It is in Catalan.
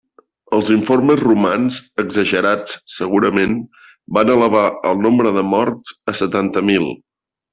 Els informes romans, exagerats segurament, van elevar el nombre de morts a setanta mil.